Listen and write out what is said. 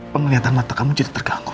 penglihatan mata kamu jadi terganggu